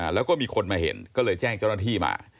แล้วก็มีคนมาเห็นก็เลยแจ้งเจ้าหน้าที่มา